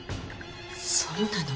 そうなの？